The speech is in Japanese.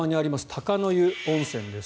鷹の湯温泉です。